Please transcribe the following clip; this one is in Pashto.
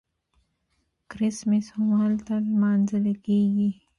کریسمس هم هلته لمانځل کیږي.